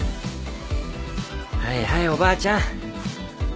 はいはいおばあちゃん。